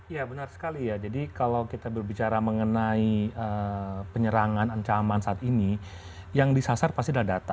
ya benar sekali ya jadi kalau kita berbicara mengenai penyerangan ancaman saat ini yang disasar pasti adalah data